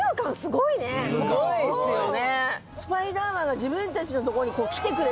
すごいですよね。